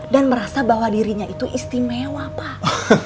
dan merasa bahwa dirinya itu istimewa pak